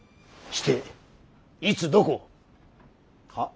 していつどこを。